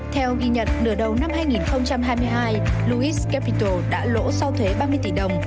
theo ghi nhận nửa đầu năm hai nghìn hai mươi hai louice capital đã lỗ sau thuế ba mươi tỷ đồng